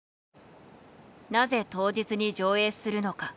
「なぜ当日に上映するのか？」